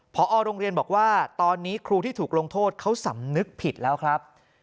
พอโรงเรียนบอกว่าตอนนี้ครูที่ถูกลงโทษเขาสำนึกผิดแล้วครับ